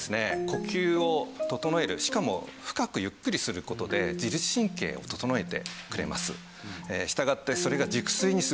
呼吸を整えるしかも深くゆっくりする事で自律神経を整えてくれます。